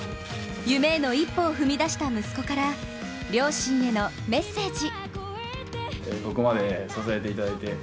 夢への一歩を踏み出した息子から両親へのメッセージ。